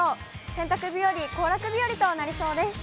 洗濯日和、行楽日和となりそうです。